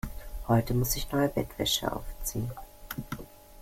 Heute muss ich neue Bettwäsche aufziehen.